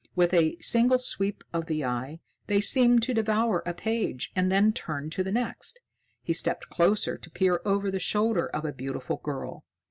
With a single sweep of the eye, they seemed to devour a page, and then turned to the next. He stepped closer to peer over the shoulder of a beautiful girl.